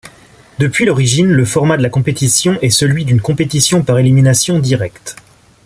Depuis l’origine le format de la compétition est celui d’une compétition par élimination directe.